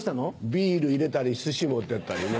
ビール入れたり寿司持ってったりね。